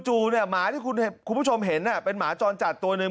หมาที่คุณผู้ชมเห็นเป็นหมาจรจัดตัวหนึ่ง